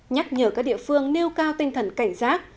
nhắc nhở các địa phương nêu cao tinh thần cảnh giác